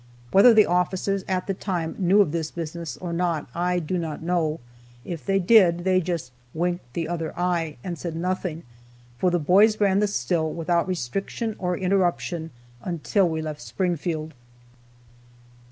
Whether the officers at the time knew of this business or not, I do not know. If they did, they just "winked the other eye," and said nothing, for the boys ran the still, without restriction or interruption, until we left Springfield.